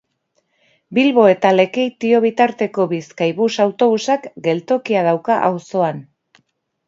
Bilbo eta Lekeitio bitarteko Bizkaibus autobusak geltokia dauka auzoan.